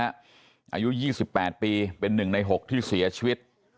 อายุยี่สิบแปดปีเป็นหนึ่งในหกที่เสียชีวิต